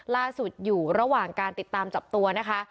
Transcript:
อยู่ระหว่างการติดตามจับตัวนะคะ